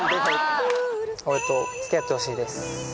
今俺と付き合ってほしいです